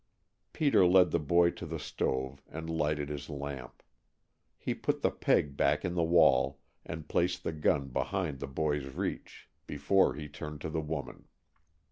Peter led the boy to the stove, and lighted his lamp. He put the peg back in the wall, and placed the gun behind the boy's reach before he turned to the woman.